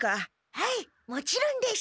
はいもちろんです。